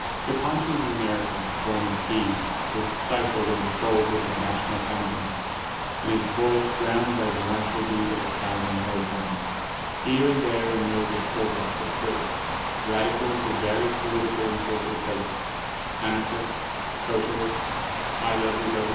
The conscience of America, wanting peace, was stifled in the folds of the national emblem, and its voice drowned by the martial beat of a thousand war drums. Here and there a note of protest was heard. Radicals of vari ous political and social faiths — Anarchists, Socialists, I.